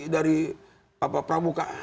dari pak orang pramuka